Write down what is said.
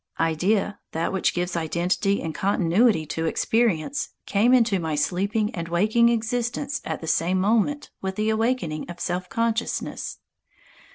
Idea that which gives identity and continuity to experience came into my sleeping and waking existence at the same moment with the awakening of self consciousness.